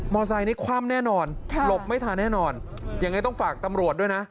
ไซค์นี้คว่ำแน่นอนหลบไม่ทันแน่นอนยังไงต้องฝากตำรวจด้วยนะ